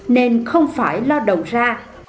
nên không phải lo động ra